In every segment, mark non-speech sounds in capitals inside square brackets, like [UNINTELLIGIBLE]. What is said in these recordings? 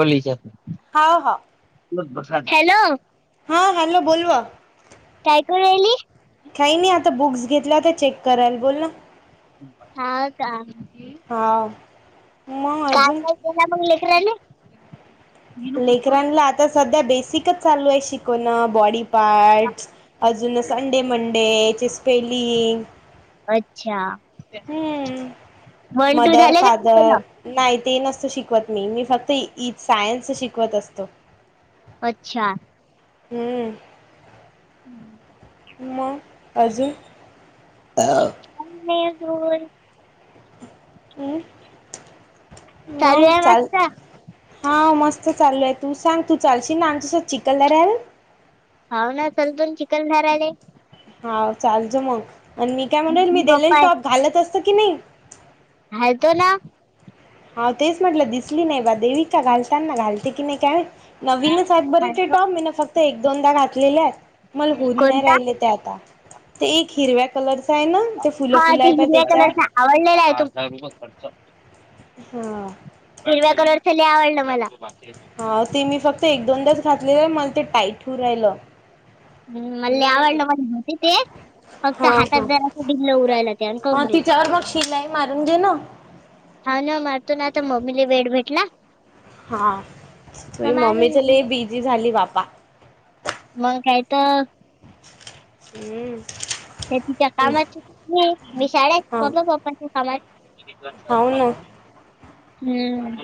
बली हा हा हॅलो! हां हॅलो बोलवा. काय करा राहिली. काही नाही आता बुक्स घेतल्याता चेक करायल बोल ना. हा का. हां. का काय दला मग लेकरायले. लेकरनला आता सध्या बेसिकच चालू आहे शिकवणं बॉडी पार्टस. अजून संडे मंडे ची स्पेलिंग. अच्छा! हम्म, वन टू मदर झाले का शिकवण फादर नाही ते नसत शिकवत मी फक्त सायन्स शिकवत असतो. अच्छा! हम्म मग. अजून. मे जून. हम् चालू मग आहे चाल मस्त हा मस्त चालू आहे तू सांग तू चालशील ना आम तसच च कलर आहेल. होव ना लतून चिकन धरले. हा चालच मग आणि मी काय म्हणेल मी मम्मी दिलेले पप्पा टॉप घालत असत की नाही. ह तो ना. हा तेच म्हटलं दिसली नाही बा देवी का घालताना घालते की नाही काय माहित. नवीनच आ बर घालतो टॉम मी ना फक्त एक दोनदा घातलेल्या आहेत. मला होऊन नाही कोणता राहिले ते आता. ते एक हिरव्या कलरच आहे ना, ते फुलं फुलं आहे पाय त्याच्यात आडलेला हाय त्यो हा. हिरव्या कलर ची लई आवडलं मला हाव ते मी फक्त एक दोनदाच घातलेल, मला ते टाईट होऊ राहिलं. हम्म मले लई आवडल म्हणत होत तेे फक्त हा हा हातात जरास ढिल्लं हू रहायल ते आणि हा कमरेत तिच्यावर मग शिलाई मारून घे ना हाव ना मारतो ना आता मम्मीले बेड भेटला. हा तर तुही मम्मी मारू तर लई बिझी झाली बाबा मग काय तर? हम्म. तिच्या तिच्या कामाची मी शाळेत, पप्पा पप्पाच्या कामात हाऊ ना.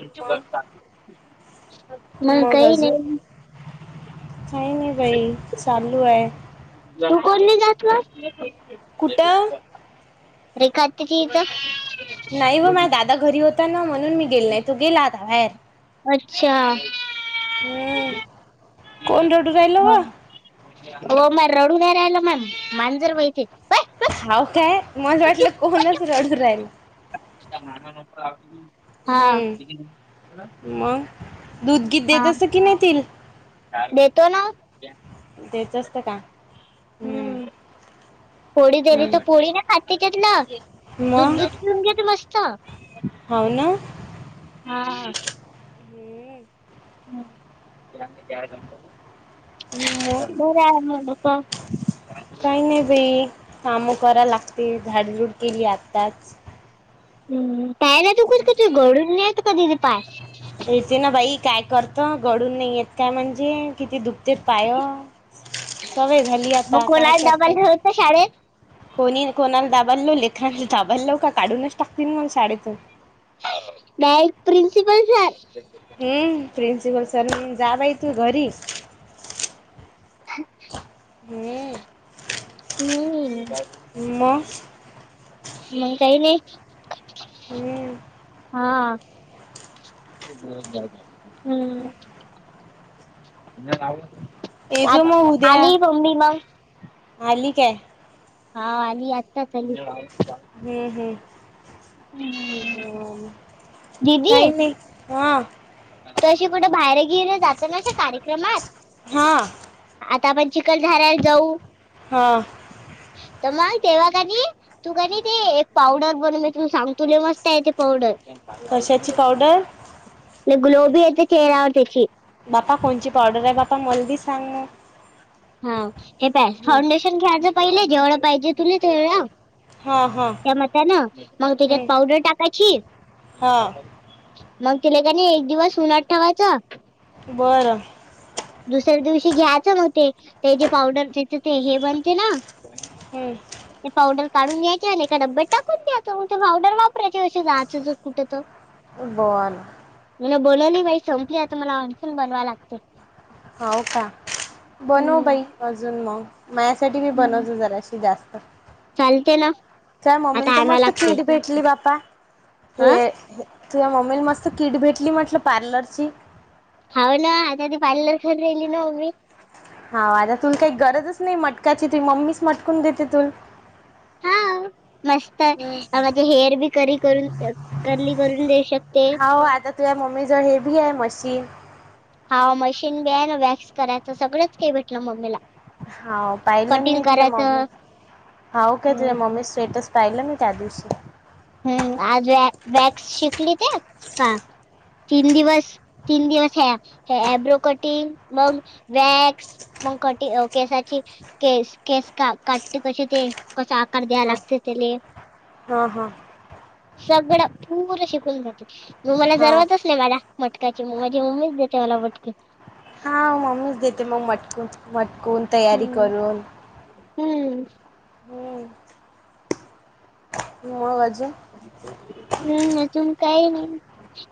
मग मग काही अजून नाही काही नाही बाई चालू हाय. ह्यो कोणी घातलास? कुठ? रेखा आतीच्या इथ नाही ब माझ दादा घरी होता ना, म्हणून मी गेली नाही तो गेला आता बाहेर अच्छा. हुं. हो हो माय रडून ना राहिलं मग मांजर व्हय हाव काय मला वाटलं कोणच रडू राहिला. हां. हम्म मग दूध गी देत असं की न तील देतो ना ओ. द्यायचं असत का? हम्म पोळी दिली हम्म तर, पोळी नाही खाते त्यातलं दूध दूध पिऊन घेते मस्त. होव ना. हा हा. हम्म मग [UNINTELLIGIBLE] काही नाही बाई कामं कराय लागते, झाडझूड केली आत्ताच हम् पाह्यला तु कधी कधी घरून नेते कधी पाह्य येते ना बाई काय करतो गडून नाही येत काय म्हणजे किती दुख ते पाय सवय झाली मग आता काय कोणाला डबल करतो. ठेवत शाळेत कोणी कोणाला दाबा लावले का लेखनाला दाबालव लेवका काढूनच टाकतील मग शाळेतन म डायरेक्ट प्रिंसिपल सर हम्म प्रिन्सिपल सर हम जा बाई तू घरी हम् हम्म जावू मग दे. मग काही नाही. हम्म. हा आ. हम्म. ये जो मग उद्या आ-आली मम्मी मग आली काय? हा आली आत्ताच आली. हम् हम बोल काही नाही. हां. तशी कुठं बाहेर गेली जात नशे कार्यक्रमात हां आता आपण चिखल झारायला जाऊ. हा. त मग तेवा कर [UNINTELLIGIBLE] तू का नाही ते एक पावडर बनून देते मी सांगतू तुले मस्त आहे ते कशाची पावडर. पावडर ग्लो बी येते चेहऱ्यावर त्याने. बापा कोणची पावडर आहे बापा मलबी सांग. हा हे प हा हं फाउंडेशन घ्यायचं पहिले जेवढ पाहिजे तुले तेवढ. हां हां त्या म्हणताना मग त्याच्यात हं पावडर टाकायची. हा मग तिला कानी एक दिवस उन्हाट ठेवायचं. बरं. दुसऱ्या दिवशी घ्यायचं मग ते, जे पावडर दच ते हे बनते ना. हम्म. इ पाउडर काढून घ यायच्या ना एका डब्यात टाकून द्यायचं म्हजे पावडर वापरायचे अस जायं ज कुठं तर. फुटबॉल. मला बनवली बाइ संपली आता, मला आणखीन बनवायला लागते. हो का, बनव हम्म बाई अजून मग. माझ्यासाठीबी हम्म बनव तू जरा अशी जास्त. चालते ना काय मम्मीला आता तर आणावं मस्त लागते पीठ भेट. ली बा्पा, अ हे तुझ्या मम्मीने मस्त किट भेटली म्हंटलं पार्लरची. हाव ना आता ती पार्लर खाली राहिली ना उभी. हा आता तुला काही गरजच नाही मटकाची, तुही मम्मीच मटकून घेते तू हा मस्त हम्म. य. माझे हेअर बी करी करून, कर्ली करून देऊ शकते. तुया मम्मीच बी आहे मशिन. हा मशीन बी आहे ना, वॅक्स करायचं सगळंच काही भेटलं मम्मीला. हा पाहिलं कटिंग मी तुझ्या करायचं मम्मी, हाव का तुझ्या हम्म मम्मी स्टेटस. पाहिलं मी त्या दिवशी. हम्म आज व वॅक्स शिकली का? हा. तीन दिवस तीन दिवस ह ऐब्रो कटिंग, मग वॅक्स मग कटींग अ केसाची. केस केस का काटते कसे ते, कसा आकार द्यायला हा लागते त्याले. हा हा. सगळं पूर शिकून घेते, तू मला हा जरुरतच नाही मला. मटकाची माझी मम्मीच देते मला मटक. हा मम्मीच देते मग मटकून, मटकून तयारी हम्म करून. हम्म. हम्म मग अजून? हम्, अजून काही नाही.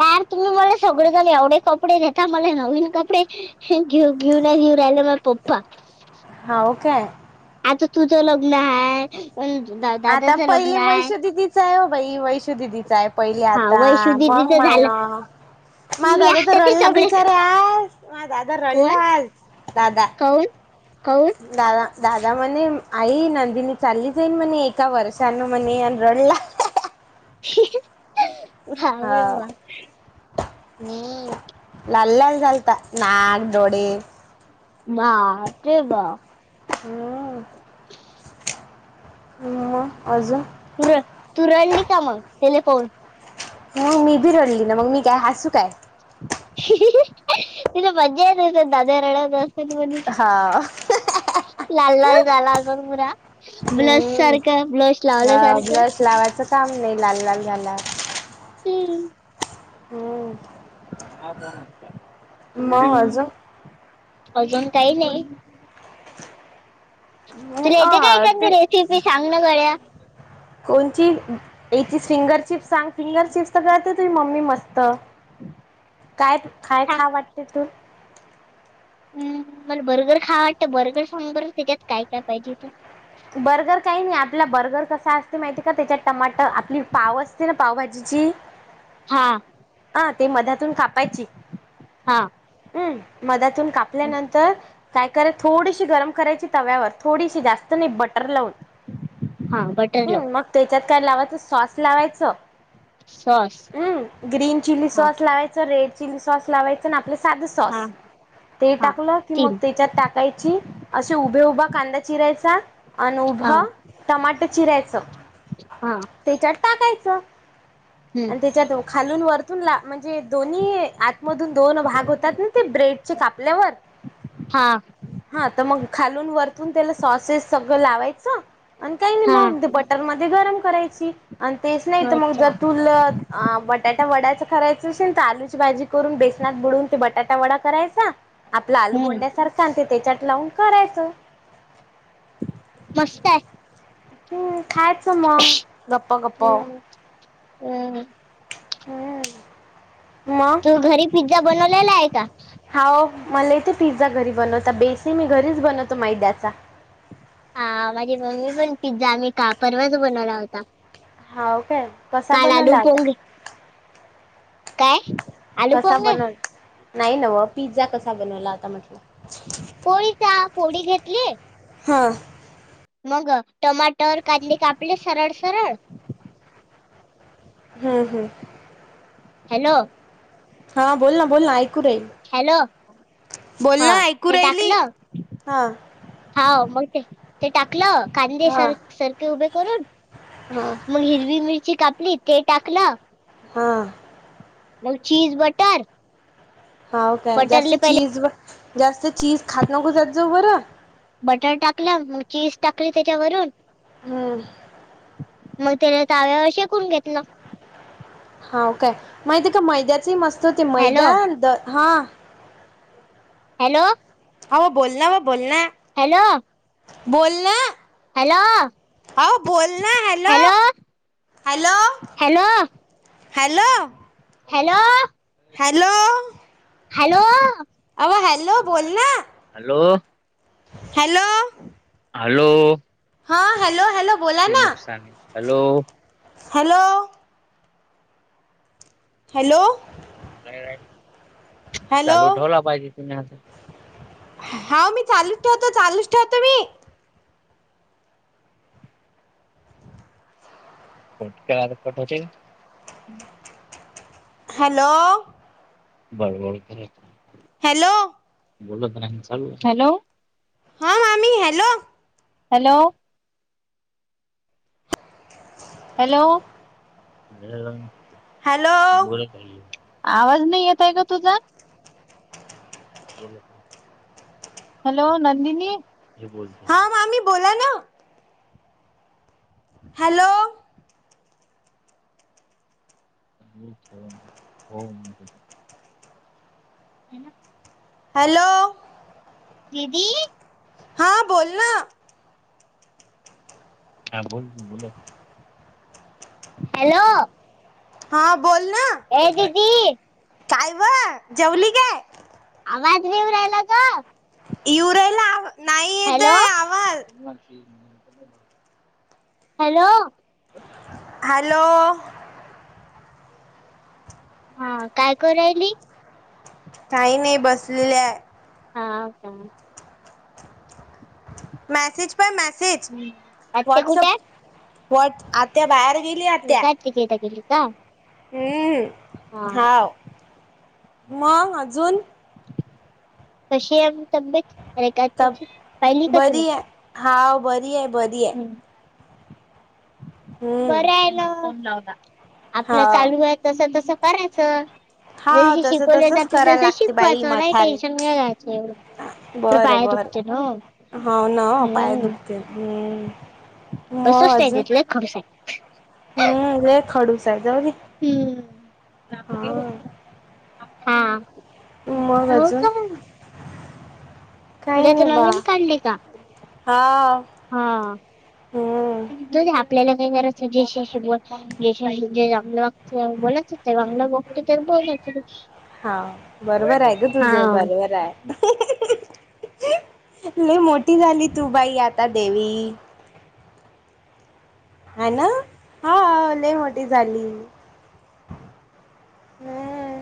यार तुम्ही मला सगळेजण एवढे कपडे घेता, मला नवीन कपडे घेऊ घेऊ ना घेऊ राहिलं माय पप्पा. हाव काय? आता तुझ लग्न हाय. आता पहिले वैशू दिदीच, बाई वैशुदीदीचा आहे पहिले हा आता वैशू मग. दिदीचं झालं माला. मा मी दादा तर आता ते रडला सगळे बिचारा आज, मा दादा कोण रडला आज दादा. काऊन? दादा दादा म्हणे आई नंदिनी चाली जईन म्हणे. इतका वर्षान मने रडला. ह [UNINTELLIGIBLE] हा. हम्म, लाल लाल झालता नाक, डोळे. बाप रे बाप! हम्म [UNINTELLIGIBLE] तू रड, तू रडली, का मग त्याला फोन मग मी भी रडली ना, मग मी काय हसू काय? [UNINTELLIGIBLE] तुला मज्जा येते का दादा रडवतोस. हा. [UNINTELLIGIBLE] ब्लश सारखं ब्लश लावल्या सारखं. लावायच. [UNINTELLIGIBLE] लाल लाल झाला. हम्म हो, मग अजून अजून काही नाही. तुला येते का अ एखादी ते रेसिपी सांग ना गड्या. कोणची याची फिंगर चिप्स सांग फिंगर चिप्स [UNINTELLIGIBLE] ते मम्मी मस्त काय, काय सांग खा [UNINTELLIGIBLE] तू हम्म, मला बर्गर खा वाटतं, बर्गर सांग बर त्याच्यात काय काय पाहिजे. बर्गर काही नाही आपला बर्गर कसा असते माहिती का? त्याच्यात टमाटर आपली पाव असते ना पावभाजीची. हा, हा ते मधातून कापायची. हा, हम्म, मधातून कापल्यानंतर काय करायच थोडीशी गरम करायची तव्यावर थोडीशी जास्त नाही बटर लावून. हा, बटर लावुन. हम्म मग त्याच्यात काय लावायचं सॉस लावायचं. सॉस. हम्म, ग्रीन चिली हा सॉस लावायच रेड चिली सॉस लावायचं ना आपल्या साध सॉस हा ते हा टाकल कि मग तीन त्याच्यात [UNINTELLIGIBLE] असे उभे उभा कांदा चिरायचा. आणि, हा उभं टमाट चिरायच हा त्याच्यात टाकायचं. हम्म आणि त्याच्यात खालून वरतून ला म्हणजे दोन्ही आतमधून दोन भाग होत. तस ते ब्रेडच्या कापल्यावर हा हा तर मग खालून वरतून त्याला सॉसेस सगळं लावायचं. आणि काही नाही हा मग ते बटर मध्ये गरम करायची, आणि तेच नाही तर मग अच्छा जर तुल अ बटाटा वडायचा करायचां असेल तर, आलूची भाजी करून बेसनात बुडून ते बट बटाटा वडा करायचा आपला आलू हम्म गोंड्यासारखा आणि ते त्याच्यात लावून करायच. मस्त आहे. हम्म, खायचं मग गप्प-गप्प. हम्म हम्म हम्म, मग. तू घरी पिझ्झा बनवलेला आहे का? हाओ मला येतो पिझ्झा घरी बनवता, बेस ही मी घरीच बनवतो मैद्याचा. हा माझी मम्मी पण पिझ्झा, मी का परवाच बनवला होता. हाओ काय कसा काल आलू बनवला होता. पोंगे काय? आलू कसा पोंगे बनव नाही नव पिझ्झा कसा बनवला होता म्हटलं. पोळीचा पोळी घेतली. हा मग टमाटर, कांदे कापले सरळ-सरळ. हम् हम्म हॅलो हा बोल ना बोल ना ऐकू रा येईल हॅलो बोल हा ना ऐकू राहिली हा हा मग ते ते टाकलं कांदे हा सार सारखे उभे करून हा मग हिरवी मिरची का आप्ली ते टाकलं हां नऊ चचीज बटर हा काय जास्त बटरले पहिले चीज जास्त चीज खात नको जात जाऊ बरं बटर टाकलं मग चीज टाकली त्याच्यावरून हम्म मग त्याले तव्यावर शेकून घेतला हा काय माहिती का मैद्याचे मस्त होते हॅलो मैदा द हा हॅलो अ बोल ना व बोल ना हॅलो बोल ना हॅलो आ बोल ना hello hello hello hello hello hello hello अ हॅलो बोल ना हॅलो हॅलो हॅलो हा हॅलो हॅलो बोला ते ना नुकसानी हॅलो हॅलो हॅलो हॅलो चालू ठेवला पाहिजे तुम्ही आता हा मी चालूच ठेवतो चालूच ठेवतो मी कट होते का हॅलो बळबळ करतं हॅलो बोलत नाही हॅलो हा मामी हॅलो हॅलो हॅलो हॅलो आवाज नाही येत आहे का तुझा हॅलो नंदिनी हा मामी बोला ना हॅलो हो हॅलो दीदी हा बोल ना हा बोल की, बोला की, हॅलो! हा बोल ना, ये दीदी काय व जेवली काय? आवाज येऊ राहिला का? येऊन राहीला आ हॅलो! [UNINTELLIGIBLE] हॅलो! हॅलो.. ! हा काय कराली. काही नाही बसलेय. हा हो का मग? मॅसेज पाहय मॅसेज आत्या कुठे व्हॉट्सप वट आत्या बाहेर गेली आत्या तिकडे [UNINTELLIGIBLE] का हम्म हा हावं मग अजून [INAUDIBLE] कशीय तब्बेत रेखा आत्तुची पाहिली का तुला? हा बरी आहे बरी आहे. [UNINTELLIGIBLE] बर हम्म आहे नव्हं फोन लावला आपलं हाव चालू आहे तसं तसं करायचं हाव जस तसं शिकवले तसंच जात करायला तसं लागते बाई शिकवायचं नाही मथारे टेन्शन घ्यायचं एवढं. तर बरं पाया दुखतेत बरं ओ हाव ना पाय हम्म दुखते हम्म तसचं मग अजून पाहिजेत लय खडूस आहे. हम्म लय खडूस आहे जाऊदे. हम्म [UNINTELLIGIBLE] हा [UNINTELLIGIBLE] मग रोज अजून जाऊन काही म्हणजे आता नाही बा नवीन काढले का हाव हा हम्म आपल्याला काय करायच, जेशवाशी बोलत जशवाशी जे चांगलं वागत बोलायच ते [UNINTELLIGIBLE] बोलायच नाही हा बरोबर आहे ग तुझं बरोबर आहे. ल मोठी झाली तू बाई आता देवी. हा ना हा लय मोठी झाली. हम्म.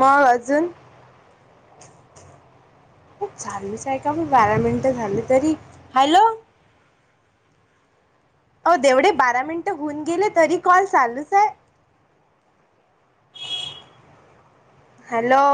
मग अजून, खूप चालूच हायका मी बारा मिनटं झाली तरी हॅलो हो देवढे बारा मिनिट होऊन गेले तरी कॉल चालूसच आहे. [INAUDIBLE] हॅलो